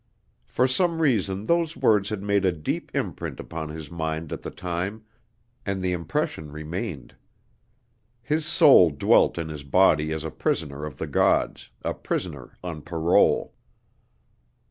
For some reason those words had made a deep imprint upon his mind at the time, and the impression remained. His soul dwelt in his body as a prisoner of the gods, a prisoner on parole.